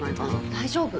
大丈夫。